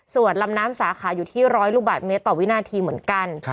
ส่วนลำน้ำสาขาอยู่ที่๑๐๐ลูกบาทเมตรต่อวินาทีเหมือนกัน